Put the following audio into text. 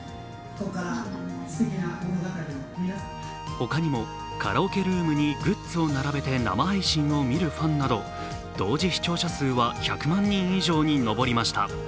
他にも、カラオケルームにグッズを並べて生配信を見るファンなど、同時視聴者数は１００万人以上に上りました。